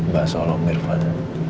bahasa allah om irfan